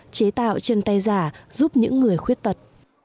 chế tạo chân tay giả giúp những người khuyết tật